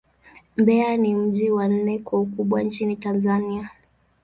Mbeya ni mji wa nne kwa ukubwa nchini Tanzania.